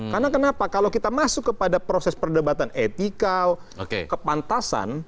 karena kenapa kalau kita masuk kepada proses perdebatan etika kepantasan